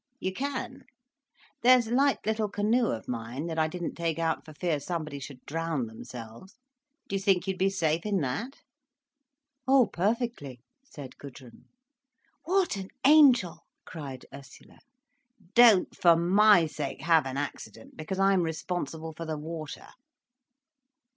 "You can? There's a light little canoe of mine, that I didn't take out for fear somebody should drown themselves. Do you think you'd be safe in that?" "Oh perfectly," said Gudrun. "What an angel!" cried Ursula. "Don't, for my sake, have an accident—because I'm responsible for the water."